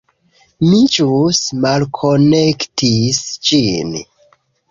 Mi ĵus malkonektis ĝin